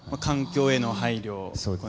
環境への配慮